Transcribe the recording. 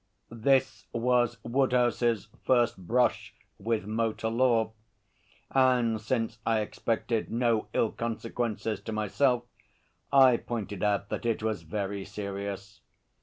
This was Woodhouse's first brush with motor law, and since I expected no ill consequences to myself, I pointed out that it was very serious.